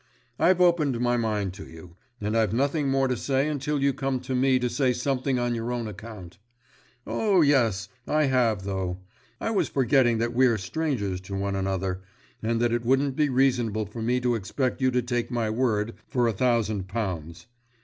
I've opened my mind to you, and I've nothing more to say until you come to me to say something on your own account. O, yes I have, though; I was forgetting that we're strangers to one another, and that it wouldn't be reasonable for me to expect you to take my word for a thousand pounds.